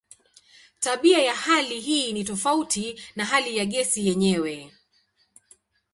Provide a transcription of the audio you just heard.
Tabia ya hali hii ni tofauti na hali ya gesi yenyewe.